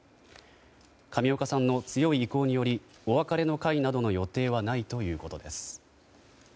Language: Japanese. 上岡さんの強い意向によりお別れの会などの予定はないということです。